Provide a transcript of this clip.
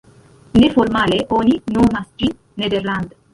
Neformale oni nomas ĝin "Nederland.